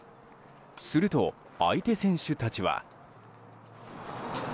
すると、相手選手たちは。